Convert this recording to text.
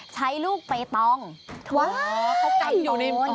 ใช้ลูกเป๊ตองเขากลับอยู่